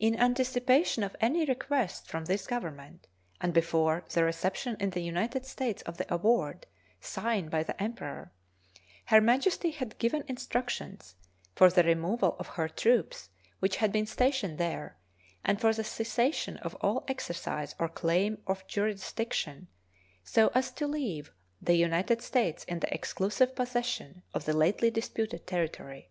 In anticipation of any request from this Government, and before the reception in the United States of the award signed by the Emperor, Her Majesty had given instructions for the removal of her troops which had been stationed there and for the cessation of all exercise or claim of jurisdiction, so as to leave the United States in the exclusive possession of the lately disputed territory.